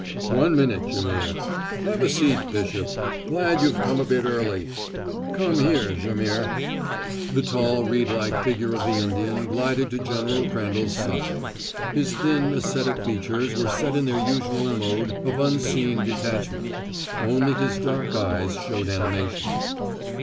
"One minute, Jaimihr! Have a seat, Bishop; glad you've come a bit early. Come here, Jaimihr!" The tall reedlike figure of the Indian glided to General Crandall's side. His thin ascetic features were set in their usual mold of unseeing detachment; only his dark eyes showed animation.